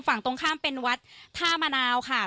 ฝั่งตรงข้ามเป็นวัดท่ามะนาวค่ะ